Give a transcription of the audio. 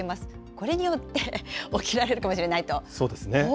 これによって起きられるかもしれそうですね。